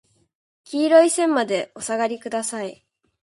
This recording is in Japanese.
黄色い線までお下りください。